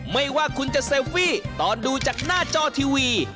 ไม่ว่าคุณจะเซลฟี่ตอนดูจากหน้าจอทีวี